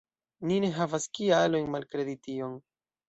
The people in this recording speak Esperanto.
Ni ne havas kialojn malkredi tion.